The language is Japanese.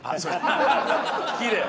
きれい。